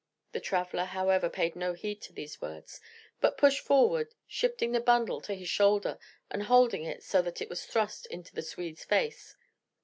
The traveller, however, paid no heed to these words, but pushed forward, shifting the bundle to his shoulder and holding it so that it was thrust into the Swede's face.